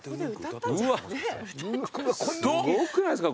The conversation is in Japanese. すごくないですか？